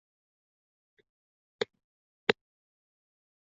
同志弯贝介为弯贝介科弯贝介属下的一个种。